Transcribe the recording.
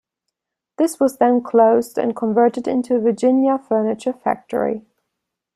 This was then closed and converted into a Virginia furniture factory.